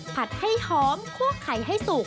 ผัดให้หอมคั่วขาดและกลิ่นที่สุด